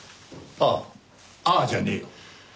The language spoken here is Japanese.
「ああ」じゃねえよ。